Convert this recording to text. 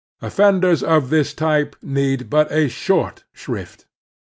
Offenders of this type need but a short shrift.